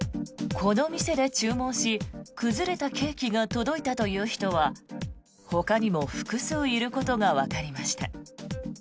この店で注文し崩れたケーキが届いたという人はほかにも複数いることがわかりました。